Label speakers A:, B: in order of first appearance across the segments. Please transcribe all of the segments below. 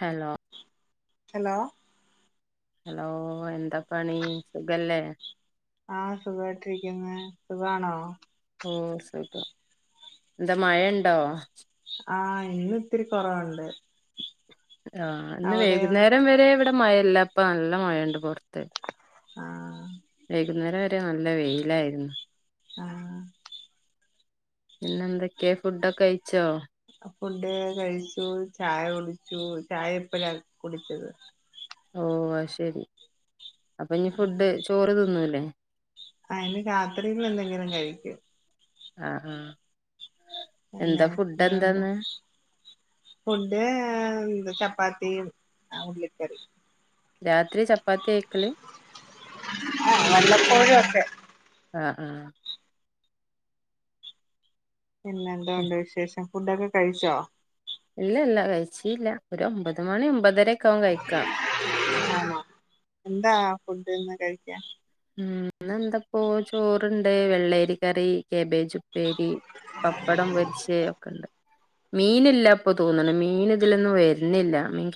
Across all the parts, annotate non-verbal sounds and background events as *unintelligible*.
A: Hello
B: hello
A: hello എന്താ പണി സുഖല്ലേ
B: ആഹ് സുഖയിട്ടിരിക്കുന്നു സുഖമാണോ
A: ഓഹ് സുഖം എന്താ മഴുണ്ടാവോ
B: ആഹ് ഇന്നത്തിരി കുറവുണ്ട്
A: ആഹ് ഇന്ന് വൈകുന്നേരം വരെ ഇവിടെ മഴല്ല ഇപ്പൊ നല്ല മഴുണ്ട് പുറത്ത്
B: ആഹ്
A: വൈകുന്നേരം വരെ നല്ല വെയിലായിരുന്നു
B: ആഹ്
A: പിന്നെന്തൊക്കെ ഫുഡൊക്കെ കഴിച്ചോ
B: ഫുണ്ട് കഴിച്ചു ചായ കുടിച്ചു ചായ എപ്പഴാ കുടിച്ചത്
A: ഓഹ് അയ്ശരി അപ്പൊ ഇനി ഫുഡ് ചോറ് തിന്നുംല്ലേ
B: അയ്ന് കാത്രിയിൽ എന്തെങ്കിലും കഴിക്കും
A: ആഹ് ആഹ്
B: പിന്നെ
A: എന്താ ഫുഡ്
B: ഇന്തണ്ട്
A: എന്താന്ന്
B: ഫുഡ് ചപ്പാത്തി ഉള്ളിക്കറി
A: രാത്രി ചപ്പാത്തി കയ്ക്കല്
B: ആഹ് വല്ലപ്പോഴും ഒക്കെ
A: ആഹ് ആഹ്
B: പിന്നെ എന്തോണ്ട് വിശേഷം ഫുഡൊക്കെ കഴിച്ചോ
A: ഇല്ല ഇല്ല കഴിച്ചില്ല ഒരു ഒമ്പത് മണി ഒമ്പതരക്ക ആകും കഴിക്കും
B: ആഹ്ന്നൊ എന്താ ഫുഡ്ന്ന് കഴിക്ക
A: ഉം എന്താപ്പ ചോറണ്ട് വെള്ളേരീ കറി കേബേജ് ഉപ്പേരി പപ്പടം പരിച്ചു ഒക്കെണ്ട് മീനില്ലാപ്പൊ തോന്നണ മീൻ ഇതിലൊന്നും വരുന്നില്ല മീൻ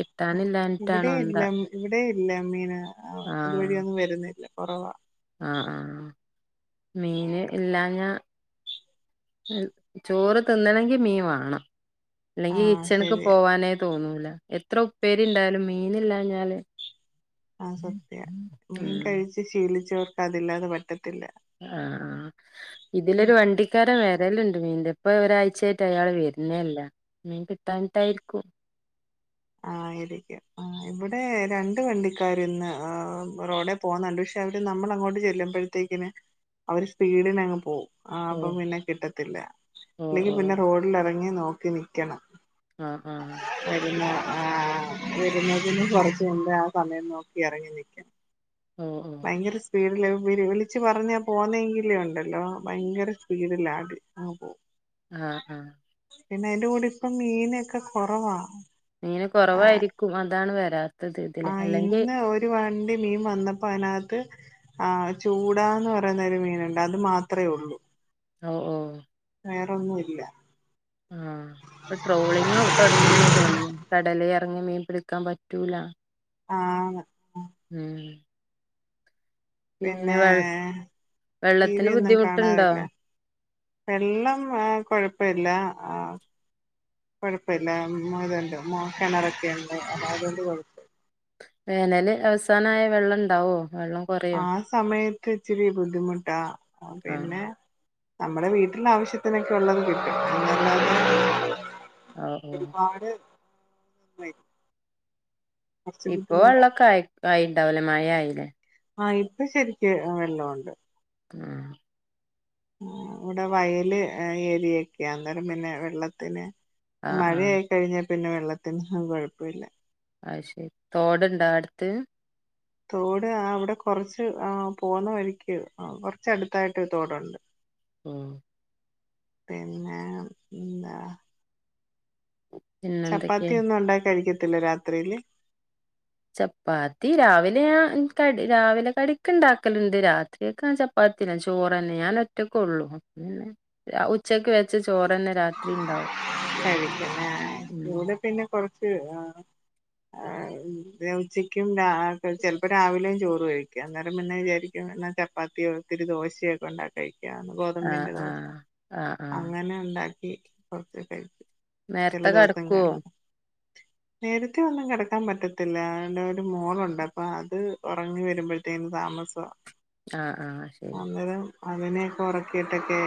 B: ഇവിടെ
A: കിട്ടാനില്ലാഞ്ഞിട്ടാണോ എന്താ
B: ഇല്ല ഇവിടെ ഇല്ല മീൻ
A: ആഹ്
B: ഇതുവഴിയൊന്നും വരുന്നില്ല കുറവാ
A: ആഹ് ആഹ് മീന് ഇല്ലാഞ്ഞാ ചോറ് തിന്നണങ്കി മീൻ വേണം അല്ലെങ്കിൽ
B: ആഹ്
A: ഇച്ചണക്ക്
B: ശരിയ
A: പോവാനായി തോന്നൂല എത്ര ഉപ്പേരി ഇണ്ടായാലും മീനീല്ലഞ്ഞാല്
B: ആഹ് സത്യ
A: ആഹ്
B: മീൻ കഴിച്ച് ശീലിച്ചവർക്ക് അതില്ലാതെ പറ്റത്തില്ല
A: ആഹ് ആഹ് ഇതിലൊരു വണ്ടിക്കാരൻ വേരലുണ്ട് മീന്റെ ഇപ്പ ഒരാഴ്ചയായിട്ട് അയാൾ വരുന്നല്ല മീൻ കിട്ടാനട്ടായിരിക്കും
B: ആയിരിക്കും ആ ഇവിടെ രണ്ട വണ്ടിക്കാർ ഇന്ന് ആ റോഡ പോകുന്നുണ്ട് പക്ഷെ അവര് നമ്മൾ അങ്ങോട്ട് ചെല്ലുമ്പോഴത്തേക്കിന് അവര് സ്പീഡന്ങ്ങ് പോകവും. ആ
A: ഓ
B: അപ്പം പിന്നെ കിട്ടത്തില്ല
A: ഓ
B: അല്ലെങ്കി
A: ഓ
B: പിന്നെ റോഡിൽിറങ്ങി നോക്കി നിക്കണം.
A: അ ആഹ്
B: *unintelligible* വരുന്നതിന് കുറച്ച് കൊണ്ട് ആ സമയം നോക്കി ഇറങ്ങി നൽക്കാം.
A: ഉംഉം
B: ഭയങ്കര സ്പീഡില് വിളിച്ച് പറഞ്ഞ പോുന്നെങ്കില ഉണ്ടല്ലോ ഭയങ്കര സ്പീഡില്ല അടി ആ പോും.
A: ആ അ
B: പിന്നെ അതിന്റെ കൂടി ഇപ്പ മീനൊക്കെ കുറവാ
A: ഇങ്ങനെ
B: ആ
A: കുറവായിരിക്കും അതാണ് വരാ
B: ആ ഇന്ന് ഒരു വണ്ടി മീൻ വന്നപ്പോ അതിനകത്ത് ആ ചൂടാന്ന് പറയുന്നരു മീനുണ്ട് അത് മാത്രമേ ഉള്ളൂ
A: ഓ ഓ
B: വേറൊന്നുമല്ല
A: ആഹ് ട്രോളിങ് തുടങ്ങിയന തോന്നുന്നു കടല ഇറങ്ങി മീൻ പിടിക്കാൻ പറ്റൂല
B: ആഹ്
A: ഉം
B: പിന്നെ ടി വി
A: വെള്ളത്തിന്
B: ഒന്നും
A: ബുദ്ധിമുട്ടുണ്ടോ
B: കാണാറില്ലെ? വെള്ളം കുഴപ്പമില്ല ആഹ് കുഴപ്പമില്ല ഇതൊണ്ട് കിണറൊക്കെന്ന് അല്ല അതണ്ട് കൊഴപ്പ
A: വേനല് അവസാനമായ വെള്ളം ഉണ്ടാവോ? വെള്ളം കൊറയോ
B: ആ സമയത്ത് ഇച്ചിരി ബുദ്ധിമുട്ടാ
A: ആഹ്
B: പിന്നെ നമ്മുടെ വീട്ടില ആവശ്യത്തിനൊക്കെ ഉള്ളത് കിട്ടും അങ്ങ
A: ഓ ഓ
B: ഒരുപാട് *unintelligible* കുറച്ച്
A: ഇപ്പൊ
B: ബുദ്ധിമുട്ടാ
A: വെള്ളമൊക്കെ ആയി ആയിണ്ടാവലേ മഴ ആയില്ലേ?
B: ആഹ ഇപ്പ ശരിക്ക് വെള്ളുണ്ട്.
A: ആ
B: ഇവിടെ വയല് ഏരിയൊക്കെയ അന്നേരം പിന്നെ വെള്ളത്തിന്
A: ആഹ് ആഹ്
B: മഴയായി കഴിഞ്ഞാൽ പിന്നെ വെള്ളത്തിന് കുഴപ്പ ഇില്ല.
A: അശരി തോടുണ്ടാ അടുത്ത്?
B: തോട് അവിടെ കുറച്ച് പോകുന്ന വഴക്ക് കുറച്ച്ടുത്തായിട്ട്രു തോടുണ്ട്.
A: ഉം
B: പിന്നെ എന്താ
A: പിന്നെന്തൊക്കെയാ
B: ചപ്പാത്തി ഒന്നും ഉണ്ടാക്കി കഴിക്കത്തില്ല രാത്രിയില്?
A: ചപ്പാത്തി രാവിലെ ആ ക രാവിലെ കടക്ക് ഉണ്ടാക്കലുണ്ട് രാത്രിയൊക്കെ ആ പത്തിന ചോറ്ന്നെ ഞാൻ ഒറ്റക്ക ഉള്ളൂ പിെ ഉച്ചക്ക് വെച്ച ചോറ്ന്നെ
B: കഴിക്കുന്ന
A: ഉം
B: ഇൂടെ. പിന്നെ കുറച്ച് *unintelligible* ും ചിലപ്പോ രാവിലെയും ചോറ് കഴിക്കും അേരം പിന്നെ വിചാരിക്കും എന്നാ ചപ്പാത്തിയോ ഒത്തിരി ദോശയൊക്കെ ഉണ്ടാ കഴിക്ക
A: ആഹ്
B: ഗോതമ്പിന്റെ ദോശ
A: ആഹ് ആഹ് ആഹ്
B: അങ്ങനെ ഉണ്ടാക്കി കുറച്ച് കഴിച്ചു.
A: നേരത്തെ ക കടക്കുവോ?
B: നേരത്തെ ഒന്നും കിടക്കാൻ പറ്റത്തില്ല അന്റെ ഒരു മോളുണ്ട് അപ്പൊ അത് ഉറങ്ങി വരുമ്പോഴേ തേ താമസം.
A: ആഹ് ആഹ് ശരി
B: അന്നേരം അതിനെയൊക്കെ ഉറക്കിയിട്ടൊക്കെ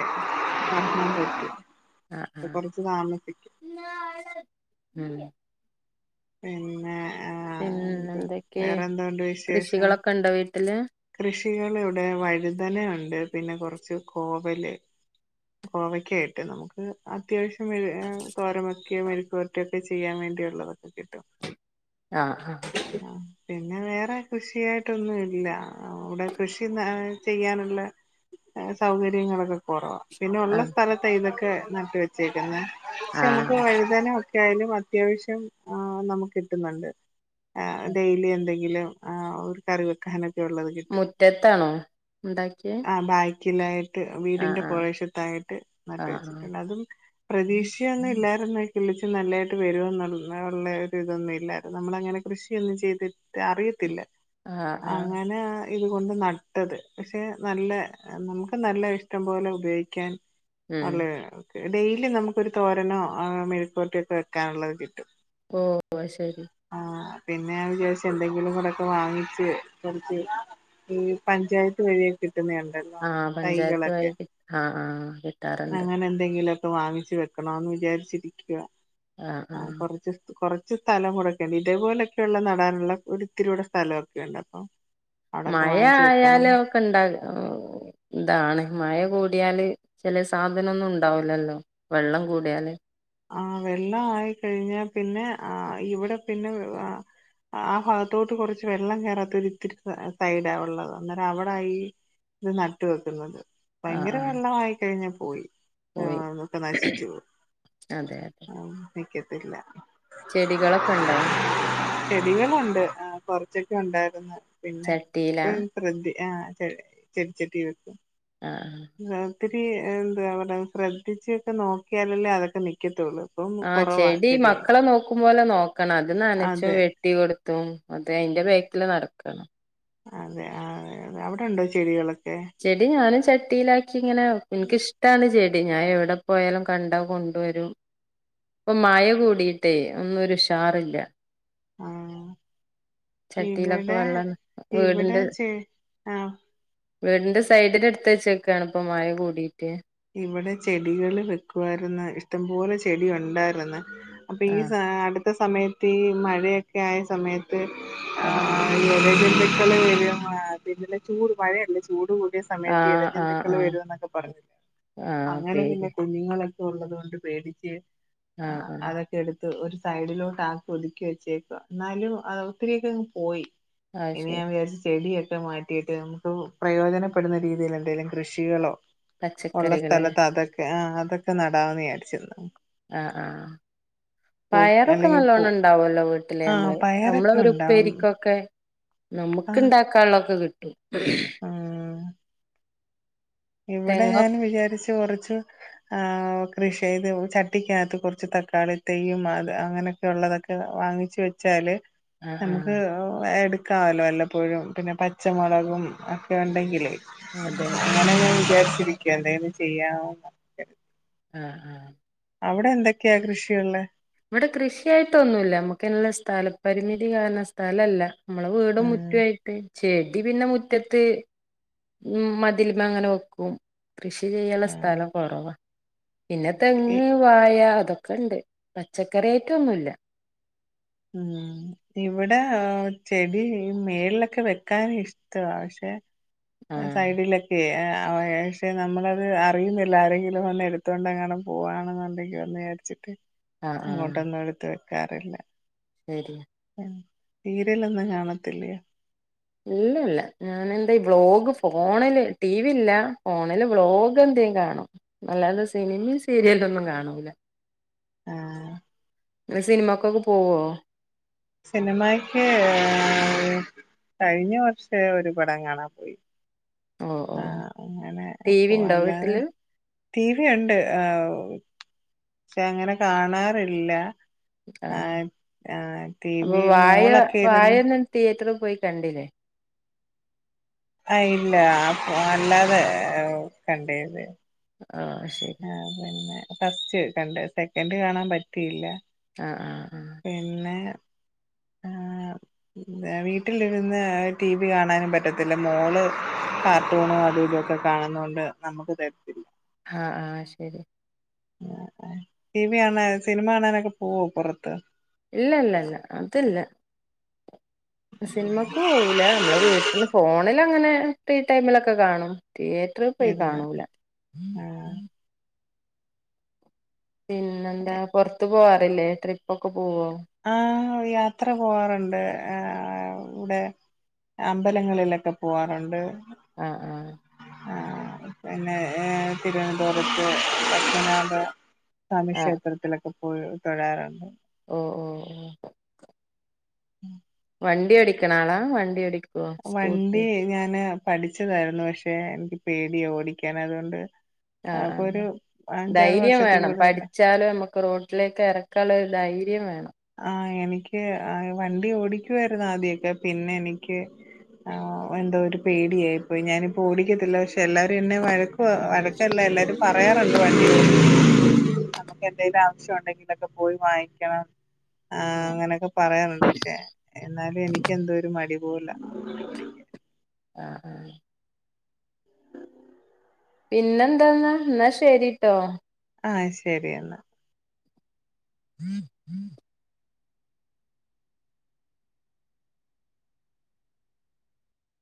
B: ഭക്ഷണം കഴിക്കു.
A: ആഹ്
B: പ്പ
A: ആഹ്
B: കൊറച്ച് താമസിക്കും.
A: ഉം.
B: പിന്നെ ആഹ്
A: പിന്നെ
B: എന്ത്
A: എന്തൊക്കെ
B: വേറെ എന്തോണ്ട് വിശേഷം
A: കൃഷികളൊക്കെ ഉണ്ടോ വീട്ടില്-
B: കൃഷികൾ ഇവിടെ വഴുതന ഉണ്ട് പിന്നെ കൊറച്ച് കോവല് കോവയ്ക്കായിട്ട് നമുക്ക്. അത്യാവശ്യം മെ തോരമൊക്കെയോ മെരുരിക്കുവരറ്റയോ ഒക്കെ ചെയ്യാൻ വേണ്ടിയുള്ളതൊക്കെ കിട്ടും
A: ആഹ് ആഹ്
B: ആഹ് പിന്നെ വേറെ കൃഷിയായിട്ടൊന്നും ഇല്ല ഇവിടെ കൃഷിന ചെയ്യാനുള്ള സൗകര്യങ്ങളൊക്കെ കൊറവാ- പിന്നെ ഒള്ള സ്ഥലത്ത ഇതൊക്കെ നട്ട വെച്ചേരിക്കുന്നേ പക്ഷെ നമുക്ക്
A: ആഹ്
B: തനൊക്കെ ആയാലും അത്യാവശ്യം ആഹ് നമുക്ക് കിട്ടുന്നുണ്ട്
A: ആഹ്
B: ഡെയിലി എന്തെങ്കിലുരുകറി വെക്കാനൊ ക്കെള്ളത്കിട്ടും
A: മുറ്റത്താണോ ഇണ്ടാക്കിയേ
B: ആഹ് ബാക്കിലായിട്ട്
A: ആഹ്
B: വീടിന്റെ
A: ആഹ്
B: പ്രവേശത്തായിട്ട് നട്ട്
A: ആഹ്
B: വെച്ചിട്ടുള്ള അതും പ്രതീക്ഷന്നും ഇല്ലാര്ന്ന്. കിളിച്ച് നല്ലതായിട്ട് വരവന്നൊള്ള അങ്ങന ഉള്ള ഒരിതൊന്നും ഇല്ലാരോ നമ്മള അങ്ങനെ കൃഷിയൊന്നും ചെയ്തിട്ട് അറിയത്തില്ല.
A: ആഹ് ആഹ് ആഹ്
B: അങ്ങനെ ഇതുകൊണ്ട് നട്ടത് പക്ഷെ നല്ല നമുക്ക് നല്ല ഇഷ്ടം പോലെ ഉപയോഗിക്കാൻ
A: ഉം
B: ഉള്ള ഡെയിലി നമുക്കൊരു തോരനോ മെഴുക്കോരട്ടയൊക്കെ വെക്കാനുള്ളത് കിട്ടും.
A: ഓഹ് ഒ ശരി.
B: ആഹ് പിന്നെ വിചാരിച്ച് എന്തെങ്കിലും കൂടൊക്കെ വാങ്ങിച്ച് കൊറച്ച് ഈ പഞ്ചായത്ത് വഴിയ കിട്ടുന്നേ ണ്ടല്ലൊ
A: ആഹ് പഞ്ചായത്ത്
B: തൈകളൊക്കെ
A: വഴി ആഹ് ആഹ് കിട്ടാറുണ്ട്
B: അങ്ങനെ എന്തെങ്കിലുക്കെ വാങ്ങിച്ച് വെ ക്കണോന്ന് വിചാരിച്ചിരിക്കുവ
A: ആഹ് ആഹ്
B: കൊറച്ച് കൊറച്ച് സ്ഥലം കൂടെക്കെണ്ട് ഇതേപോലൊക്കെയ ഉള്ള നടാനുള്ള ഒരിത്തിരിടെ സ്ഥലമൊക്കെയ ഉണ്ട് അപ്പം- അവിടൊക്കെ
A: മഴ
B: വാങ്ങിച്ച്
A: ആയാല
B: വെക്കണം
A: ഒക്കെ ഇണ്ടക ഓ.. എന്താണ് മഴ കൂടിയാല് ചില സാധനൊന്നും ഉണ്ടാവൂലല്ലോ? വെള്ളം കൂടിയാല്
B: ആഹ് വെള്ളം ആയി കഴിഞ്ഞാൽ പിന്നെ ആഹ് ഇവിടെ പിന്നെ അ ആ ഭാഗത്തോട്ട് കുറച്ച് വെള്ളം കയറാത്തൊരിത്തിരി സൈഡാ ഉള്ളത് അന്നേരം അവിടാ ഈ ഇത് നട്ട് വെക്കുന്നത്
A: ആഹ്
B: ഭയങ്കര
A: ആഹ്
B: വെള്ളം ആയിക്കഴിഞ്ഞാൽ പോയി
A: പോയി
B: ആഹ് ക്കെ നശിച്ചു പോകും.
A: അതെ അതെ.
B: ഓഹ് നിക്കത്തില്ല.
A: ചെടികളൊക്കെ ഉണ്ടോ?
B: ചെടികളൊണ്ട് കൊറച്ചൊക്കെ ഉണ്ടായിരുന്നു പിന്നെ
A: ചട്ടിയിലാ
B: ഇപ്പ ശ്രന്തി ആഹ് ചെടിച്ചട്ടി വെക്കും.
A: ആഹ്.
B: ഒത്തിരി എന്താ പറയ്ക ശ്രദ്ധിച്ചെക്കെ നോക്കിയാലല്ലേ അതൊക്കെ നിക്കത്തൊള്ളൂ.
A: ആഹ് ചെടി മക്കളെ നോക്കുമ്പോലെ നോക്കണം അത് നനച്ചും
B: അതെ
A: വെട്ടി ട്ടി കൊടുത്തും അത് അതിന്റെ ബാക്കില് നടക്കണം.
B: അതെ അഹ് അവിടെണ്ടോ ചെടികളൊക്കെ?
A: ചെടി ഞാനും ചട്ടിയിലാക്കി ഇങ്ങനെ എനിക്കിഷ്ടാണ് ചെടി ഞാൻ എവിടെ പോയാലും കണ്ടാ കൊണ്ട്- കൊണ്ട് വരും ഇപ്പോ മഴ കൂടിയിട്ടേ ഒന്നും ഒരു ഉഷാറില്ല
B: ആഹ്
A: ചട്ടിയിലൊക്കെ
B: ഇവിടെ
A: വെള്ളം
B: ഇവിടെ
A: വീടിന്റെ
B: ചെ ആഹ്
A: വീടിന്റെ സൈഡിൽ എടുത്ത് വചെക്കുവാണിപ്പോ മഴ കൂടിട്ട്
B: ഇവിടെ ചെടികള് വെക്കുവായിരുന്ന് ഇഷ്ടംപോലെ ചെടി ഒണ്ടായിരുന്ന് അപ്പം ഈ
A: ആഹ്
B: സ അടുത്ത സമയത്ത് ഈ മഴയൊക്കെ ആയ സമയത്ത് ആഹ്- എഴജന്തുക്കള് വരും അത് പിന്നെ ചൂട് മഴയല്ല ചൂട് കൂടിയ സ സമയത്ത്
A: ആഹ്
B: എഴ
A: ആഹ്
B: ജന്തുക്കള്
A: ആഹ്
B: വരുമെന്നെക്കെ പറഞ്ഞ്
A: ആഹ്
B: അങ്ങനെ പിന്നെ
A: പേര്
B: കുഞ്ഞുങ്ങളൊക്കെ ഉള്ളത് കൊണ്ട് പേടിച്ച്
A: ആഹ് ആഹ്
B: അതൊ ക്കെ എടുത്ത് ഒരു സൈഡിലോട്ട് ആക്കി ഒതുക്കി വെച്ചേക്ക എന്നാലും ഒത്തിരിയൊക്കെയങ്ങ് പോയി
A: അത്
B: ഇനി ഞാൻ
A: ശരി
B: വിചാരിച്ചു ചെടിയൊക്കെ മാറ്റി- കിട്ടിയിട്ട് നമുക്ക് പ്രയോജനപ്പെടുന്ന രീതിയില് എന്തെലും കൃഷികളോ- ഒള്ള
A: പച്ചക്കറികളല്ലേ
B: സ്ഥലത്ത് അതൊക്കെ ആഹ് അതൊക്കെ നടാന്ന് വിചാരിച്ചു ഇന്ന്
A: ആഹ് ആഹ് പയറൊക്കെ
B: അല്ലെങ്കിൽ പൂ
A: നല്ലോണ്ണം ഉണ്ടാവുല്ലോ വീട്ടില്
B: ആ
A: നമ്മള് നമ്മള്
B: പയറൊക്കെ
A: ഒരു
B: ഉണ്ടാവും
A: ഉപ്പേരിക്കൊക്കെ-
B: ആ
A: നമുക്ക് ഇണ്ടാക്കാനുള്ളൊക്കെ കിട്ടും
B: ഉം ഇവിടെ
A: തെങ്ങൊ
B: ഞാൻ വിചാരിച്ചു കൊറച്ച്- ആഹ് കൃഷി ചെയ്ത് ചട്ടിക്കകത്ത് കൊറച്ച് തക്കാളി തൈയും അത് അങ്ങനെ- ഉള്ളതൊക്കെ വാങ്ങിച്ച് വെച്ചാല്
A: ആഹ്
B: നമുക്ക്
A: ആഹ്
B: എടു ക്കാവല്ലോ വല്ലപ്പോഴും പിന്നെ പച്ചമുളകും ഒക്കെ ഒണ്ടെങ്കിലെ
A: അതെ അതെ
B: ഞാൻ വിചാരിച്ചിരിക്ക എന്തേലും ചെയ്യാവൊ -
A: ആഹ് ആഹ്
B: അവിടെ എന്തെക്കെയാ കൃഷിയുളേ
A: ഇവിടെ കൃഷിയായിട്ടൊന്നുമില്ല നമ്മുക്കുള്ള സ്ഥലം പരിമിതി കാരണം സ്ഥലം ഇല്ല നമ്മടെ വീടും
B: ഉം
A: മുറ്റമായിട്ട്- ചെടി പിന്നെ മുറ്റത്ത് മതിലമെ അങ്ങനെ വെക്കും കൃഷി ചെയ്യാനൊള്ള
B: ആഹ്
A: സ്ഥലം കൊറവാ പിന്നെ
B: ഇ
A: തെങ്ങ് വാഴ അതൊക്കെ ഒണ്ട് പച്ചക്കറി ഐറ്റം ഒന്നുയില്ല
B: ഉം ഇവിടെ ചെടി ഈ മേളിലൊക്കെ വെക്കാൻ ഇഷ്ട ഇഷ്ടമാ പക്ഷെ
A: ആഹ്
B: സൈഡിലെ ക്കെ പക്ഷേ നമ്മളത് അറിയുന്നില്ല ആരെങ്കിലും വന്ന് എടുത്തുകൊണ്ട് എങ്ങാണും പോവാണെന്നുണ്ടെങ്കിലോന്ന് - ച്ചിട്ട്
A: ആഹ് ആഹ്
B: അങ്ങോട്ടൊന്നും എടുത്ത് വെക്കാറില്ല
A: ശരി
B: സീരിയലൊന്നും കാണത്തില്ലയോ
A: ഇല്ല ഇല്ല ഞാനെന്താ ഈ വ്ലോഗ് ഫോണില് ടിവി ഇല്ല ഫോണില് വ്ലോഗ് എന്തേലും കാണും അല്ലാത സിനിമയും സീരിയല് ഒന്നും കാണൂല്ല
B: ആഹ്
A: സിനിമക്കൊക്കെ പോവോ
B: സിനിമക്ക് കഴിഞ്ഞ വർഷം ഒരു പടം കാണാൻ പോയി
A: ഓ ഓ
B: ആഹ് അങ്ങനെ
A: ടി വി
B: പോകും
A: ഉണ്ടോ
B: അല്ലാതെ-
A: വീട്ടില്
B: ടീവി ഒണ്ട് ആ പക്ഷെ അങ്ങനെ കാണാറില്ല ആഹ് ആഹ് ടി
A: അപ്പൊ
B: വി
A: വായ
B: മോളൊക്കെ ഇരുന്ന്-
A: വായൊന്നും തിയേറ്ററിൽ പോയി കണ്ടില്ലേ
B: ആ ഇല്ല അല്ലാതെ കണ്ടേത്
A: ആഹ് ശരി
B: ആഹ് പിന്നെ ഫസ്റ്റ് കണ്ട് സെക്കൻഡ് കാണാൻ പറ്റിയില്ല
A: ആഹ് ആഹ് ആഹ്
B: പിന്നെ
A: *inaudible*
B: എന്താ വീട്ടിലിരുന്ന് ടി വി കാണാനും പറ്റത്തില്ല മോള് കാർട്ടൂണും അതും ഇതൊക്കെ കാണുന്നോണ്ട് നമുക്ക് തരത്തില്ല
A: ആഹ് ആഹ് ശരി
B: ടി വി കാണാൻ സിനിമ കാണാനൊക്കെ പോവോ പുറത്ത്
A: ഇല്ല ഇല്ല ഇല്ല അതില്ല സിനിമക്ക് പോവൂല നമ്മള് വീട്ടിന്ന് ഫോണിൽ അങ്ങനെ ഫ്രീ ടൈമിലൊക്കെ കാണും തിയേറ്റ- റ്ററിൽ പോയി
B: ഇരുന്ന്
A: കാണൂല
B: ആ
A: പിന്നെന്താ പൊറത്ത് പോവാറില്ലേ ട്രിപ്പ് ഒക്കെ പോവോ
B: ആഹ് യാത്ര പോകാറുണ്ട് ആഹ് ആ ഇവ്ടെ അമ്പലങ്ങളിലൊക്കെ പോവാറുണ്ട്
A: ആഹ് ആഹ്
B: ആഹ് പിന്നെ തിരുവനന്തപുരത്ത് പത്മനാഭ സ്വാമി
A: ആ
B: ക്ഷേത്രത്തിലൊക്കെ പോയി തൊഴാറുണ്ട്
A: ഓഹ് ഓഹ് ഓഹ്
B: ഉം
A: വണ്ടി ഓടിക്കണാളാ വണ്ടി ഓടിക്കൊ
B: വണ്ടി ഞാന് പഠിച്ചതായിരുന്നു പക്ഷെ പേടിയാ ഓടിക്കാൻ അതോണ്ട്
A: ആഹ് ആ ധൈര്യം വേണം
B: കൂടുതൽ
A: പഠിച്ച- ച്ചാലും നമുക്ക് റോട്ടിലേക്ക് ഇറക്കാനുള്ള ഒരു ധൈര്യം വേണം
B: ആഹ് എനിക്ക് വണ്ടി ഓടിക്കുവായിരുന്നു ആദ്യൊക്കെ പിന്നെ എനിക്ക് ആഹ് എന്തോ ഒരു പേടിയായി പോയി ഞാനിപ്പോ ഓടിക്കത്തില്ല പക്ഷെ എല്ലാരും എന്നെ വഴക്ക് വഴക്കല്ല എല്ലാരും പറ പറയാറുണ്ട് വണ്ടി നമുക്ക് എന്തെങ്കിലും ആവശ്യം ഉണ്ടെങ്കിലൊക്കെ പോയി വാങ്ങിക്കണം ആഹ്
A: ആ
B: അങ്ങനെയൊക്കെ പറയാറുണ്ട് പക്ഷെ എന്നാലും എനിക്ക് എന്തോ ഒരു മടി പോലാ
A: ആഹ് ആഹ് പിന്നെന്താ ഇന്ന് ഇന്നാ ശരിട്ടോ
B: ആഹ് ശരി എന്നാൽ
A: *unintelligible*